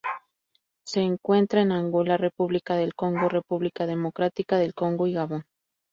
Se encuentra en Angola, República del Congo, República Democrática del Congo y Gabón.